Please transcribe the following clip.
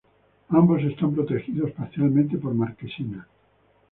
Ambos están protegidos parcialmente por marquesinas.